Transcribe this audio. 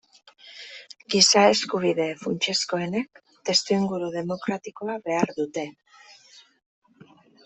Giza-eskubide funtsezkoenek testuinguru demokratikoa behar dute.